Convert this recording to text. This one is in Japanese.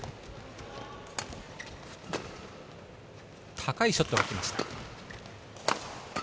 高いショットがきました。